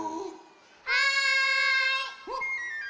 はい。